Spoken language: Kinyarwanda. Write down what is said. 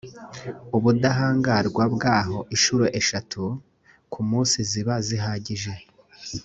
ubudahangarwa bwaho inshuro eshatu ku munsi ziba zihagije